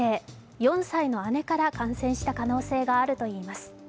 ４歳の姉から感染した可能性があるといいます。